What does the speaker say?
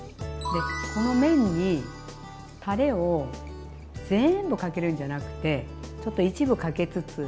この麺にたれを全部かけるんじゃなくてちょっと一部かけつつ。